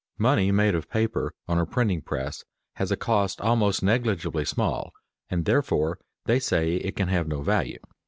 Money made of paper, on a printing press, has a cost almost negligibly small, and, therefore, they say it can have no value.